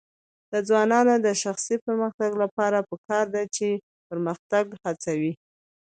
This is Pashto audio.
د ځوانانو د شخصي پرمختګ لپاره پکار ده چې پرمختګ هڅوي.